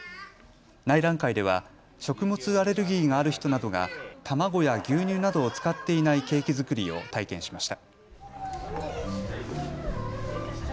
内覧会では食物アレルギーのある人などが卵や牛乳などを使っていないケーキ作りを体験しました。